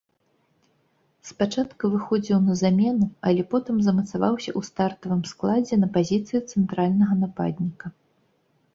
Спачатку выхадзіў на замену, але потым замацаваўся ў стартавым складзе на пазіцыі цэнтральнага нападніка.